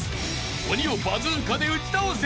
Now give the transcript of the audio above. ［鬼をバズーカで撃ち倒せ！］